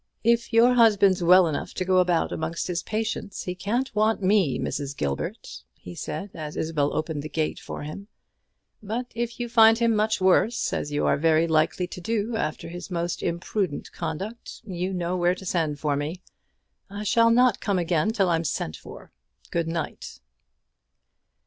"If your husband's well enough to go about amongst his patients, he can't want me, Mrs. Gilbert," he said, as Isabel opened the gate for him; "but if you find him much worse, as you are very likely to do after his most imprudent conduct, you know where to send for me. I shall not come again till I'm sent for. Good night."